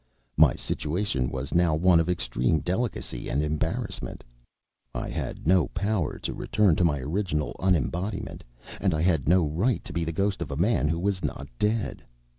My situation was now one of extreme delicacy and embarrassment. I had no power to return to my original unembodiment, and I had no right to be the ghost of a man who was not dead.